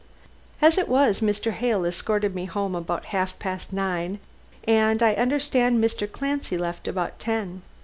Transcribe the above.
As it was, Mr. Hale escorted me home about half past nine, and I understand Mr. Clancy left about ten.